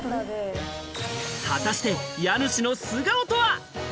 果たして家主の素顔とは？